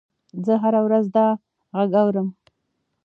زه هره ورځ دا غږ اورم.